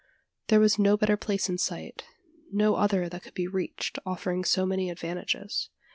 There was no better place in sight no other that could be reached, offering so many advantages.